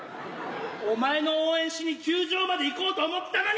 お前の応援しに球場まで行こうと思ってたのに！